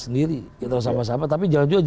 sendiri kita harus sama sama tapi jangan juga